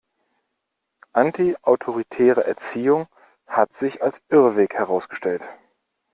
Antiautoritäre Erziehung hat sich als Irrweg herausgestellt.